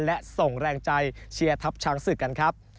และส่งแรงใจเชียร์ทัพช้างศึกกันครับ